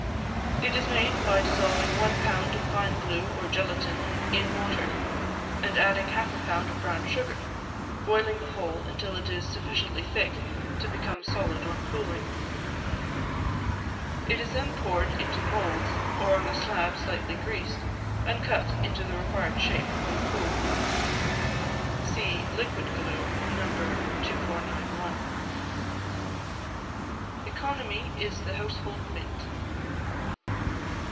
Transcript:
It is made by dissolving one pound of fine glue or gelatine in water, and adding half a pound of brown sugar, boiling the whole until it is sufficiently thick to become solid on cooling; it is then poured into moulds, or on a slab slightly greased, and cut into the required shape when cool. (See LIQUID GLUE, No. 2491.) [ECONOMY IS THE HOUSEHOLD MINT.